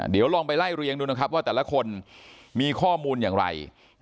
เดี๋ยวลองไปไล่เรียงดูนะครับว่าแต่ละคนมีข้อมูลอย่างไร